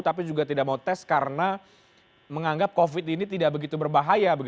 tapi juga tidak mau tes karena menganggap covid ini tidak begitu berbahaya